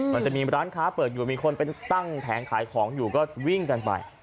มันจะมีร้านค้าเปิดอยู่มีคนไปตั้งแผงขายของอยู่ก็วิ่งกันไป